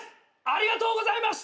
「ありがとうございました」は。